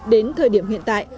đến thời điểm hiện tại